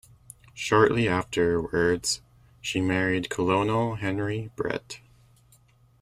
Shortly afterwards she married Colonel Henry Brett.